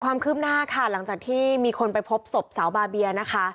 ความคืบหน้าค่ะหลังจากที่มีคนไปพบศพสาวบาเบียนะคะ